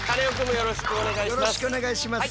よろしくお願いします。